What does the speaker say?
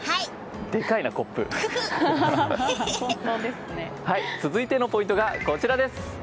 でかいな、コップ！続いてのポイントが、こちらです。